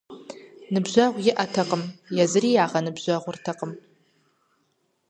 Ныбжьэгъу иӀэтэкъым, езыри ягъэныбжьэгъуртэкъым.